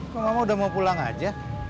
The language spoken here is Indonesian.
kok mama udah mau pulang aja